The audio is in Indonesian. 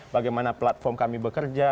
bagaimana platform kami bekerja